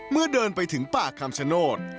เดินไปถึงป่าคำชโนธ